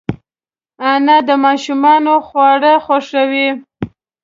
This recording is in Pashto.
انا د ماشومانو خواړه خوښوي